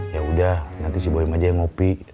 ya udah nanti si boyom aja yang ngopi